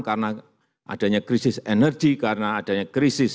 karena adanya krisis energi karena adanya krisis